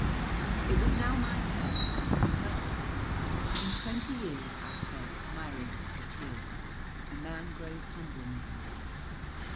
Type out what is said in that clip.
It was now my turn to comfort her. "In twenty years," I said, smiling at her tears, "a man grows humble, Mary.